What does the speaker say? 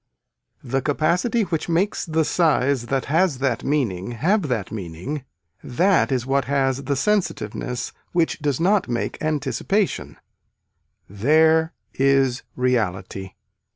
The capacity which makes the size that has that meaning have that meaning, that is what has the sensitiveness which does not make anticipation, there is reality.